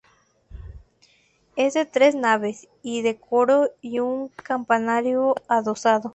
Es de tres naves y tiene coro y un campanario adosado.